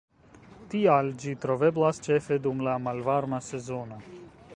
Tial ĝi troveblas ĉefe dum la malvarma sezono.